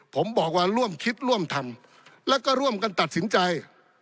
ผมบอกว่าร่วมคิดร่วมทำแล้วก็ร่วมกันตัดสินใจ